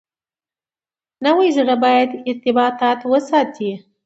نوي زره باید ارتباطات وساتي.